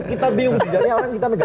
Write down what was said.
kita bingung jadi orang kita negara